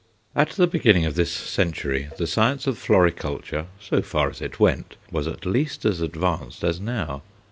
At the beginning of this century, the science of floriculture, so far as it went, was at least as advanced as now.